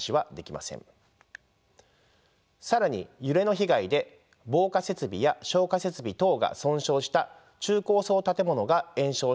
更に揺れの被害で防火設備や消火設備等が損傷した中高層建物が延焼した場合のリスク